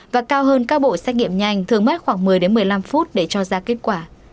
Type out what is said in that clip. và cao hơn các bộ xét nghiệm nhanh thường mất khoảng một mươi một mươi năm phút để cho ra kết quả